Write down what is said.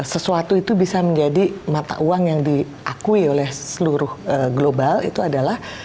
sesuatu itu bisa menjadi mata uang yang diakui oleh seluruh global itu adalah